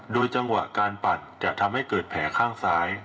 โดยจังหวะการปัดจะทำให้เกิดแผลข้างซ้าย